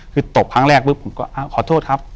คือตบครั้งแรกปุ๊บผมก็ขอโทษครับ